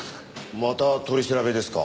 また取り調べですか？